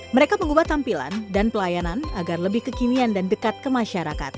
mereka mengubah tampilan dan pelayanan agar lebih kekinian dan dekat ke masyarakat